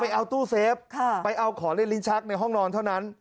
เอาตู้เซฟไปเอาของเล่นลิ้นชักในห้องนอนเท่านั้น